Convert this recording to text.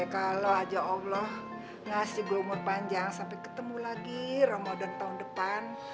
kalau aja allah ngasih glumur panjang sampai ketemu lagi ramadan tahun depan